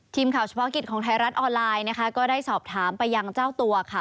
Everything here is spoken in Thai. เฉพาะกิจของไทยรัฐออนไลน์นะคะก็ได้สอบถามไปยังเจ้าตัวค่ะ